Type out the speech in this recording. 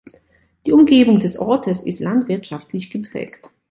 Die Umgebung des Ortes ist landwirtschaftlich geprägt.